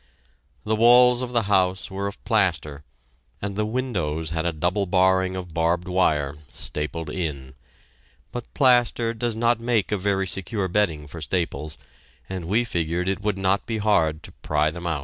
The walls of the house were of plaster, and the windows had a double barring of barbed wire, stapled in; but plaster does not make a very secure bedding for staples, and we figured it would not be hard to pry them out.